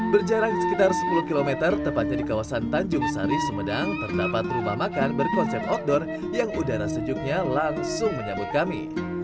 berjarak sekitar sepuluh km tepatnya di kawasan tanjung sari sumedang terdapat rumah makan berkonsep outdoor yang udara sejuknya langsung menyambut kami